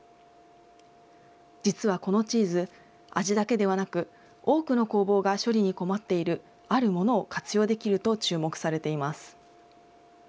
実はこのチーズ、味だけではなく、多くの工房が処理に困っている、あるものを活用できると注目されています。